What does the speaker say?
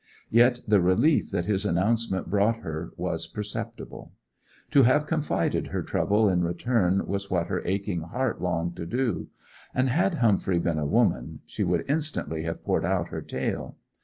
Yet the relief that his announcement brought her was perceptible. To have confided her trouble in return was what her aching heart longed to do; and had Humphrey been a woman she would instantly have poured out her tale.